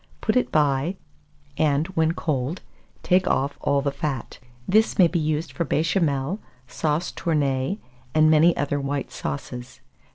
Put it by, and, when cold, take off all the fat. This may be used for Béchamel, sauce tournée, and many other white sauces.